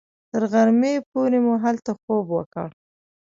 تر غرمې پورې مو هلته خوب وکړ.